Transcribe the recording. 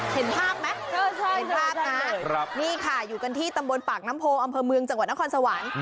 เห็นภาพไหมนะอยู่กันที่ตำบลปากน้ำโพอำเภอเมืองจังหวัดนครสวรรค์